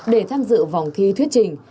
để tham dự vòng thi thuyết trình